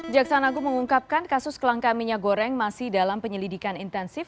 jaksa agung mengungkapkan kasus kelangkaan minyak goreng masih dalam penyelidikan intensif